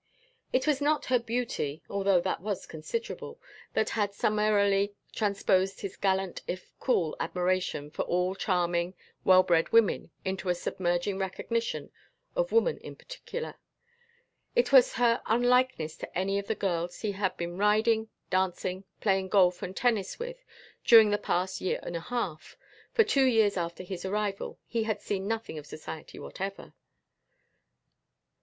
It was not her beauty, although that was considerable, that had summarily transposed his gallant if cool admiration for all charming well bred women into a submerging recognition of woman in particular; it was her unlikeness to any of the girls he had been riding, dancing, playing golf and tennis with during the past year and a half (for two years after his arrival he had seen nothing of society whatever).